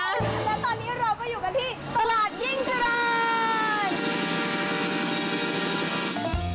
และตอนนี้เราก็อยู่กันที่ตลาดยิ่งเจริญ